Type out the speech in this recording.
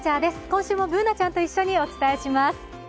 今週もＢｏｏｎａちゃんと一緒にお伝えします。